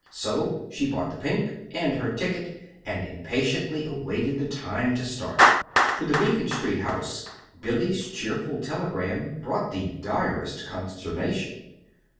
So she bought the pink and her ticket, and impatiently awaited the time to start. To the Beacon Street house, Billy's cheerful telegram brought the direst consternation.